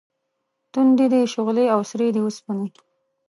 تُندې دي شغلې او سرې دي اوسپنې